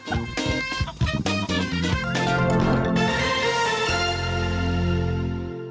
ไปแล้วหวัดดีครับ